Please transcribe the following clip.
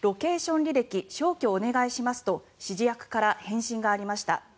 履歴消去お願いしますと指示役から返信がありました。